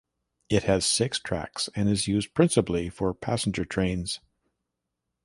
It has six tracks and is used principally for passenger trains.